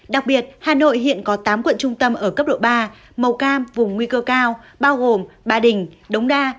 đặc biệt hà nội hiện có tám quận trung tâm ở cấp độ ba màu cam vùng nguy cơ cao bao gồm ba đình đống đa